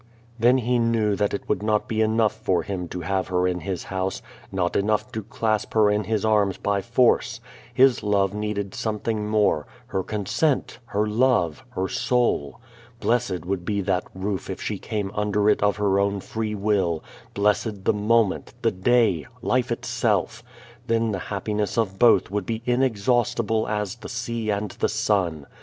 Then he knew that it would not be enough for him to have her in his house, not enough to clasp her in his arms by force. His love needed something more, her consent, her love, her soul. Blessed would be that roof if she came under it of her own free will, blessed the moment, the day, life itself. Then the happiness of both would be inexhaustible as the sea and the sun.